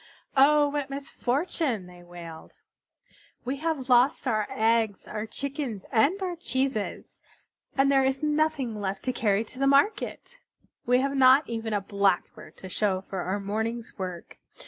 "Oh, what misfortune!" they wailed. "We have lost our eggs, our chickens, and our cheeses, and there is nothing left to carry to market. We have not even a Blackbird to show for our morning's work.